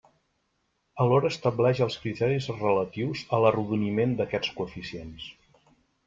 Alhora estableix els criteris relatius a l'arrodoniment d'aquests coeficients.